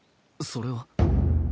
それは。